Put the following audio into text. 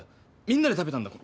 みんなで食べたんだよ